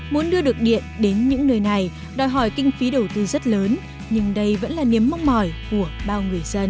muốn đưa được điện đến những nơi này đòi hỏi kinh phí đầu tư rất lớn nhưng đây vẫn là niềm mong mỏi của bao người dân